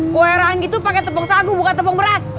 kue rangi itu pakai tepung sagu bukan tepung beras